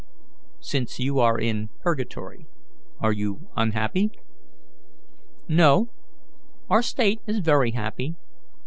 "Since you are still in purgatory, are you unhappy?" "No, our state is very happy.